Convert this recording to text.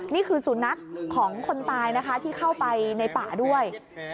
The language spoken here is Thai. นี่คือสุนัขของคนตายนะคะที่เข้าไปในป่าด้วย